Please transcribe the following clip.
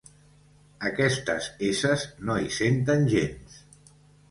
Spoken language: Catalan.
Aquestes esses no hi senten gens.